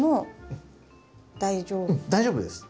うん大丈夫です。